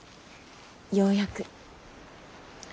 ようやく。